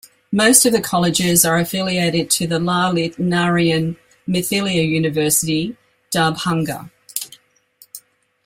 Most of the colleges are affiliated to the Lalit Narayan Mithila University, Darbhanga.